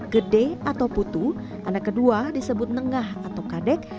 gede atau putu anak kedua disebut nengah atau kadek